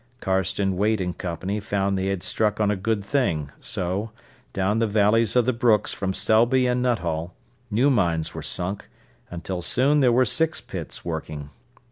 Carston, Waite and Co. found they had struck on a good thing, so, down the valleys of the brooks from Selby and Nuttall, new mines were sunk, until soon there were six pits working.